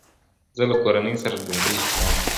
زه له کورنۍ سره ډوډۍ خورم